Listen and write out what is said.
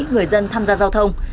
người dân tham gia giao thông